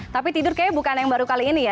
tapi tidur kayaknya bukan yang baru kali ini ya